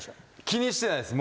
気にしてないです。